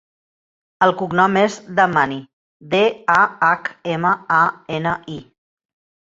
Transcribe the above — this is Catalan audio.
El cognom és Dahmani: de, a, hac, ema, a, ena, i.